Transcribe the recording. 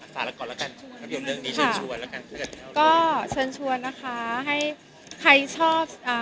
สาระก่อนละกันอัพยมเรื่องมีเชิญชวนแล้วก็เชิญชวนนะคะให้ใครชอบเอ่อ